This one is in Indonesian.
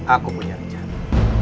aku punya rencana